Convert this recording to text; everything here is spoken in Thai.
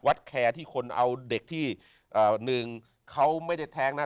แคร์ที่คนเอาเด็กที่หนึ่งเขาไม่ได้แท้งนะ